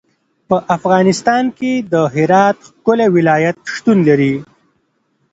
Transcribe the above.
په افغانستان کې د هرات ښکلی ولایت شتون لري.